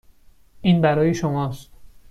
این برای شماست.